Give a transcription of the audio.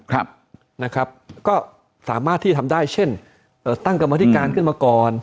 ครับนะครับก็สามารถที่จะทำได้เช่นเอ่อตั้งกรรมธิการขึ้นมาก่อน